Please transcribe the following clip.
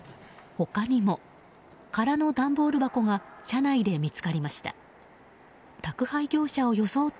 他にも、空の段ボール箱が車内で見つかりました。